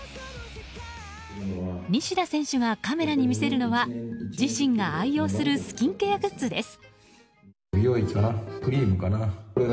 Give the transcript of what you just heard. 西田選手がカメラに見せるのは自身が愛用するスキンケアグッズです。